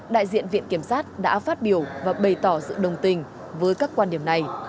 đại diện viện kiểm sát đã phát biểu và bày tỏ sự đồng tình với các quan điểm này